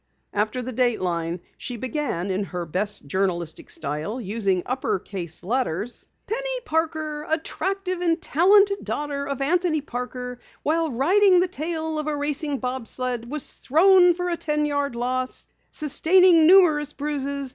After the dateline, she began in her best journalistic style, using upper case letters: "PENNY PARKER, ATTRACTIVE AND TALENTED DAUGHTER OF ANTHONY PARKER, WHILE RIDING THE TAIL OF A RACING BOB SLED WAS THROWN FOR A TEN YARD LOSS, SUSTAINING NUMEROUS BRUISES.